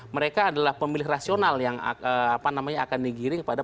mereka adalah pemilih rasional yang apa namanya akan digiring kepada